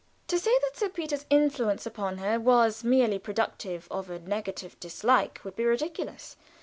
To say that Sir Peter's influence upon her was merely productive of a negative dislike would be ridiculous.